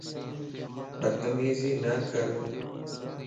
بتميزي نَڪر